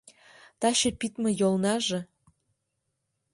Таче пидме йолнаже